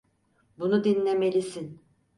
Bunu dinlemelisin.